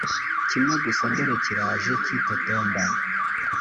kimwe gusa dore kiraje kitotomba